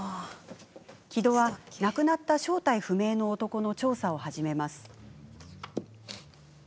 城戸は、亡くなった正体不明の男の調査を始めます。